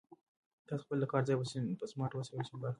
تاسو خپل د کار ځای په سمارټ وسایلو سمبال کړئ.